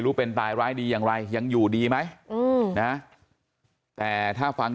เป็นตายร้ายดีอย่างไรยังอยู่ดีไหมอืมนะแต่ถ้าฟัง